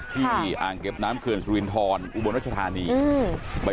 อ่างเก็บน้ำเขื่อนสุรินทรอุบลรัชธานีไป